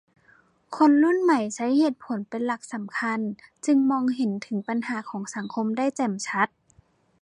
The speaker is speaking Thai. คนรุ่นใหม่ใช้เหตุผลเป็นหลักสำคัญจึงมองเห็นถึงปัญหาของสังคมได้แจ่มชัด